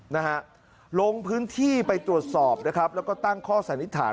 นะฮะลงพื้นที่ไปตรวจสอบนะครับแล้วก็ตั้งข้อสันนิษฐาน